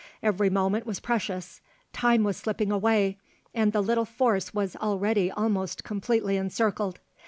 Every moment was precious; time was slipping away, and the little force was already almost completely encircled.